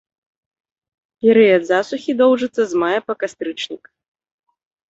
Перыяд засухі доўжыцца з мая па кастрычнік.